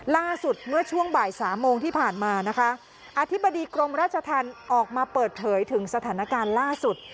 ล่าสุดเมื่อช่วงบ่ายสามโมงที่ผ่านมานะคะอธิบดีกรมราชธรรมออกมาเปิดเผยถึงสถานการณ์ล่าสุด